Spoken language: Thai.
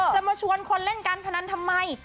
จะมาชวนคนเล่นการพนันทำไม